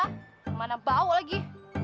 kemana bau lagi